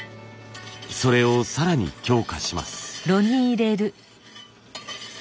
それを更に強化します。